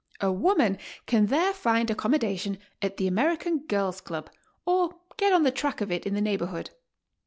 A woman can there find accommodation at the American Girls' Club or get on the track of it in the neighborhood.